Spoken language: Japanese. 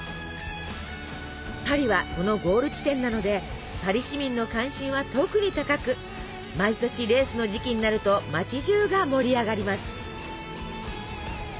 パリはそのゴール地点なのでパリ市民の関心は特に高く毎年レースの時期になると町じゅうが盛り上がります。